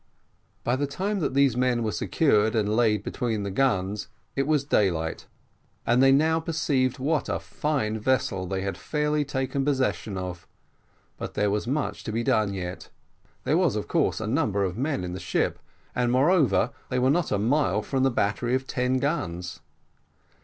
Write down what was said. By the time that these men were secured and laid between the guns it was daylight, and they now perceived what a fine vessel they had fairly taken possession of but there was much to be done yet. There was, of course, a number of men in the ship, and, moreover, they were not a mile from a battery of ten guns.